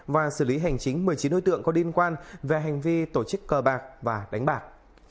và xử lý hành chính một mươi chín đối tượng có liên quan về hành vi tổ chức cờ bạc và đánh bạc